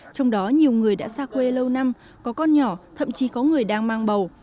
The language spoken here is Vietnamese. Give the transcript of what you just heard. trong đó nhiều người đã xa quê lâu năm có con nhỏ thậm chí có người đang mang bầu